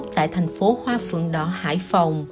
tại thành phố hoa phượng đỏ hải phòng